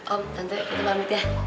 om tentunya kita pamit ya